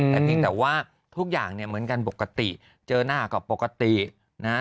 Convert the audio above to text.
แต่เพียงแต่ว่าทุกอย่างเนี่ยเหมือนกันปกติเจอหน้าก็ปกตินะ